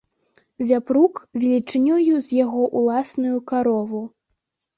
Вяпрук велічынёю з яго ўласную карову.